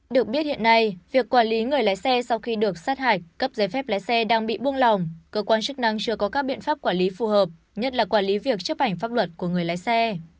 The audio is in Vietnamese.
được biết hiện nay việc quản lý người lái xe sau khi được sát hạch cấp giấy phép lái xe đang bị buông lòng cơ quan chức năng chưa có các biện pháp quản lý phù hợp nhất là quản lý việc chấp hành pháp luật của người lái xe